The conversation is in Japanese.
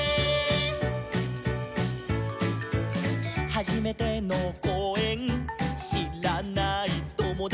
「はじめてのこうえんしらないともだち」